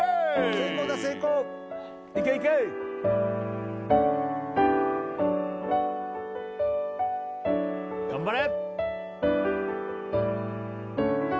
成功だ成功いけいけ頑張れ！